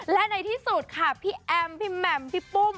และในที่สุดค่ะพี่แอมพี่แหม่มพี่ปุ้ม